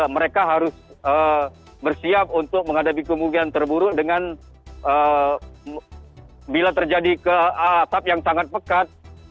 mereka harus bersiap untuk menghadapi kemungkinan terburuk dengan bila terjadi keasap yang sangat pekat